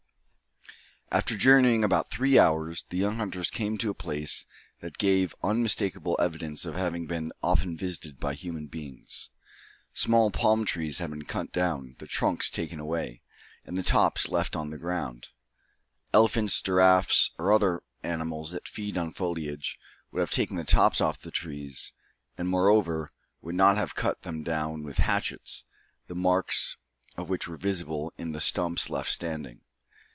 After journeying about three hours, the young hunters came to a place that gave unmistakable evidence of having been often visited by human beings. Small palm trees had been cut down, the trunks taken away, and the tops left on the ground. Elephants, giraffes, or other animals that feed on foliage would have taken the tops of the trees, and, moreover, would not have cut them down with hatchets, the marks of which were visible in the stumps left standing.